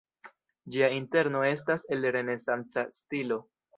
Ĝia interno estas el renesanca stilo.